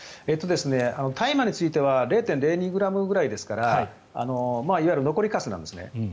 大麻については０．０２ｇぐらいですからいわゆる残りかすなんですね。